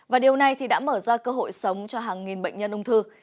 và điều này đã mở ra cơ hội sống cho hàng nghìn bệnh nhân ung thư